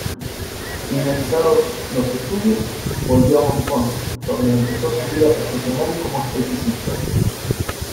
Finalizados los estudios, volvió a Monzón, donde empezó su vida profesional como esteticista.